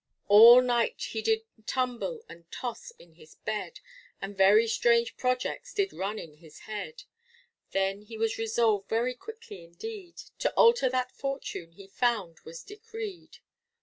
All night he did tumble and toss in his bed, And very strange projects did run in his head: Then he was resolved very quickly indeed, To alter that fortune he found was decreed.